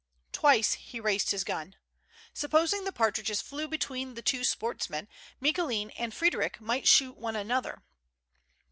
Twice he raised his gun. Supposing the partridges flew between the two sportsmen, MicouKn and Frederic might shoot one another.